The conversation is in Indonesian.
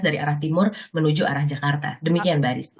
dari arah timur menuju arah jakarta demikian mbak arista